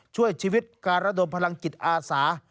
ช่วยชีวิตการระดมพลังจิตอาสา